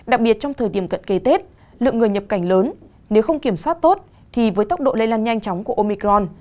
đặc biệt trong thời điểm cận kề tết lượng người nhập cảnh lớn nếu không kiểm soát tốt thì với tốc độ lây lan nhanh chóng của omicron